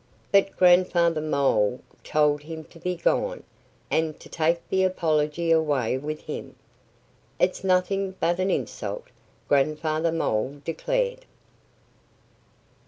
But Grandfather Mole told him to be gone, and to take the apology away with him. "It's nothing but an insult!" Grandfather Mole declared.